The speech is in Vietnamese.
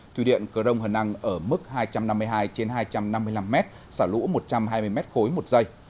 thủy điện cờ rông hờ năng ở mức hai trăm năm mươi hai trên hai trăm năm mươi năm mét xả lũ một trăm hai mươi m ba một giây